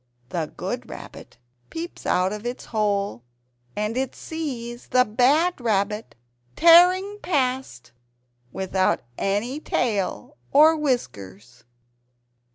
The good Rabbit peeps out of its hole ...... and it sees the bad Rabbit tearing past without any tail or whiskers!